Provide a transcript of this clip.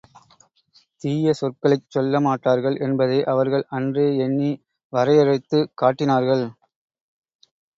தீய சொற்களைச் சொல்ல மாட்டார்கள் என்பதை அவர்கள் அன்றே எண்ணி, வரையறுத்துக் காட்டினார்கள்.